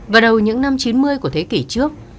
vào đầu những năm chín mươi của thế kỷ trước